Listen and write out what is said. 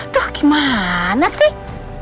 tuh gimana sih